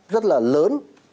rất là lớn